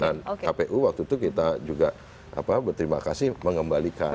dan kpu waktu itu kita juga apa berterima kasih mengembalikan